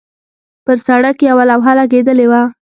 پر سړک یوه لوحه لګېدلې وه.